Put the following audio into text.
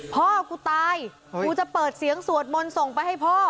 พ่อกูตายกูจะเปิดเสียงสวดมนต์ส่งไปให้พ่อ